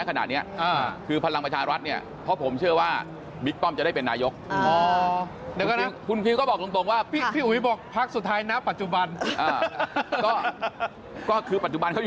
ก็คือปัจจุบันเขาอยู่ภาระประชารัฐ